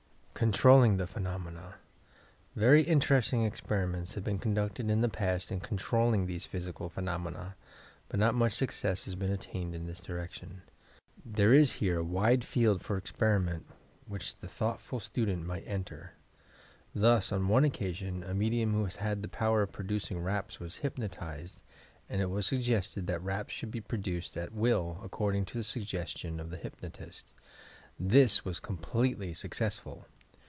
CONTROLLING THE PHENOMENA Very interesting experiments have been conducted in the past in controlling these physical phenomena, but not much success has yet been attained in this direction. There is here a wide field for experiment which the thoughtful student might enter. Thus, on one occa sion, s medium who had the power of producing raps was hypnotized, and it was suggested that raps should be produced at will according to the suggestion of the hypnotist. This was completely successful.